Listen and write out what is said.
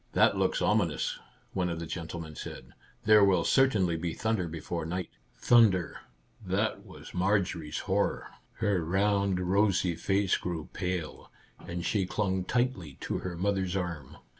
" That looks ominous," one of the gentle men said. " There will certainly be thunder before night." Thunder ! That was Marjorie's horror ! Her round, rosy face grew pale, and she clung 30 Our Little Canadian Cousin tightly to her mother's arm.